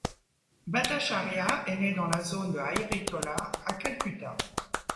Bhattacharya est né dans la zone de Ahiritola à Calcutta.